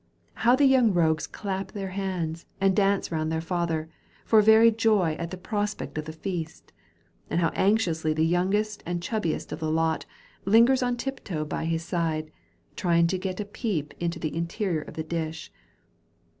How the young rogues clap their hands, and dance round their father, for very joy at the prospect of the feast: and how anxiously the youngest and chubbiest of the lot, lingers on tiptoe by his side, trying to get a peep into the interior of the dish.